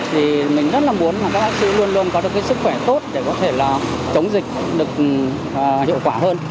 thì mình rất là muốn là các bác sĩ luôn luôn có được cái sức khỏe tốt để có thể là chống dịch được hiệu quả hơn